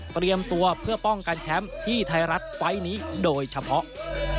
เตรียมตัวเพื่อป้องกันแชมป์ที่ไทยรัฐไฟล์นี้โดยเฉพาะ